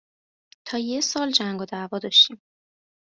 تا یه سال جنگ و دعوا داشتیم